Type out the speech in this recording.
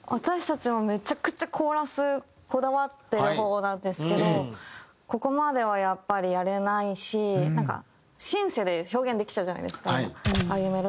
私たちもめちゃくちゃコーラスこだわってる方なんですけどここまではやっぱりやれないしなんかシンセで表現できちゃうじゃないですか今。